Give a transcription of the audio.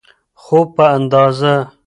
خو په اندازه.